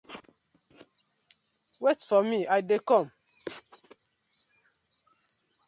Wait for mi I dey kom.